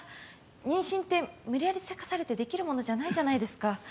妊娠って無理やりせかされてできるものじゃないじゃないですか。